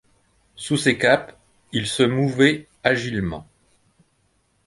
Sous ces capes, ils se mouvaient agilement.